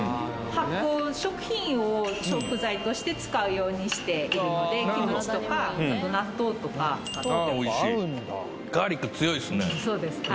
発酵食品を食材として使うようにしているのでキムチとかあと納豆とかああおいしいガーリック強いですね・